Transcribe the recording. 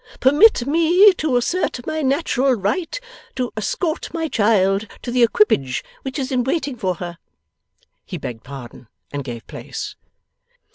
Permit me to assert my natural right to escort my child to the equipage which is in waiting for her,' he begged pardon and gave place.